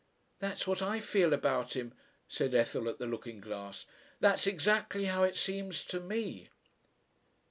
"That's what I feel about him," said Ethel at the looking glass. "That's exactly how it seems to me."